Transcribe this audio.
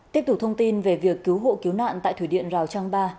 tiếp tục thông tin về việc cứu hộ cứu nạn tại thủy điện rào trang ba